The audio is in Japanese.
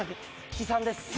悲惨です。